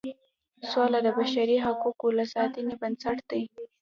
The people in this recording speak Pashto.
سوله د بشري حقوقو د ساتنې بنسټ دی.